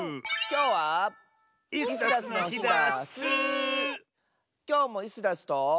きょうもイスダスと。